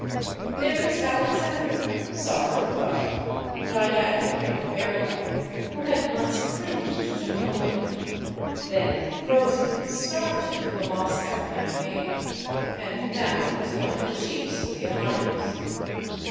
There was Alexander, Czar of Russia, gigantic and bearlike, who had once cringed to Napoleon, then frozen and starved him in the Moscow campaign, and now was one of the chiefs of the alliance.